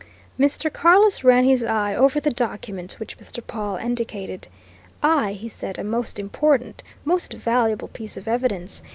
Mr. Carless ran his eye over the document which Mr. Pawle indicated. "Aye!" he said. "A most important, most valuable piece of evidence.